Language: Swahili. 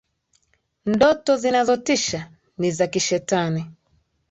Ndoto zinazotisha ni za kishetani.